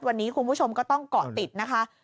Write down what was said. วันนี้คุณผู้ชมก็ต้องเกาะติดนะคะ